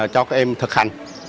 cho các em thực hành